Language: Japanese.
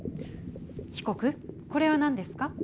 被告これは何ですか？